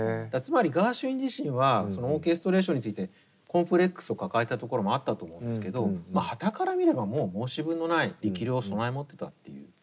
つまりガーシュウィン自身はオーケストレーションについてコンプレックスを抱えたところもあったと思うんですけどまあはたから見ればもう申し分のない力量を備え持ってたっていう。